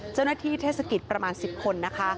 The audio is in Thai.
เจ้าหน้าที่เทศกิจประมาณ๑๐คนนะคะ